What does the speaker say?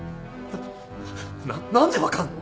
な何で分かんの！？